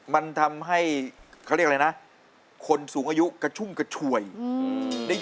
มันทำให้เขาเรียกอะไรนะคนสูงอายุกระชุ่มกระฉวย